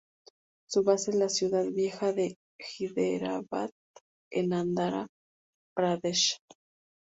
Su base es la ciudad vieja de Hyderabad en Andhra Pradesh.